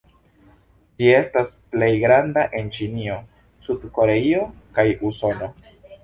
Ĝi estas plej granda en Ĉinio, Sud-Koreio kaj Usono.